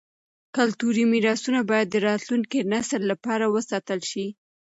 کلتوري میراثونه باید د راتلونکي نسل لپاره وساتل شي.